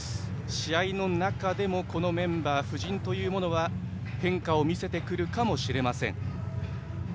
試合の中でもこのメンバー、布陣は変化を見せてくるかもしれません。